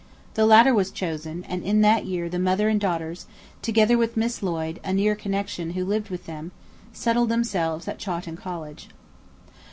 The latter was chosen; and in that year the mother and daughters, together with Miss Lloyd, a near connection who lived with them, settled themselves at Chawton Cottage.